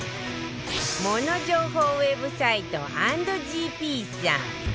モノ情報ウェブサイト ＆ＧＰ さん